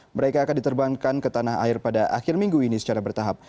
mereka akan diterbangkan ke tanah air pada akhir minggu ini secara bertahap